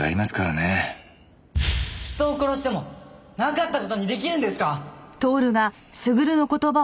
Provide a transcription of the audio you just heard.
人を殺してもなかった事に出来るんですか？